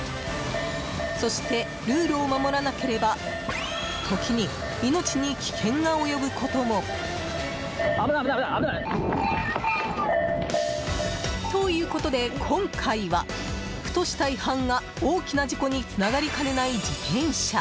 そして、ルールを守らなければ時に命に危険が及ぶことも。ということで今回はふとした違反が、大きな事故につながりかねない自転車。